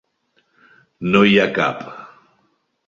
No hi ha cap.